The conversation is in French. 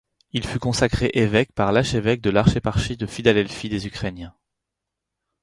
Il fut consacré évêque par l'archevêque de l'archéparchie de Philadelphie des Ukrainiens.